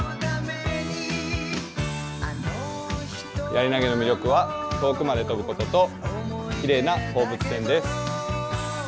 やり投げの魅力は遠くまで飛ぶことと、きれいな放物線です。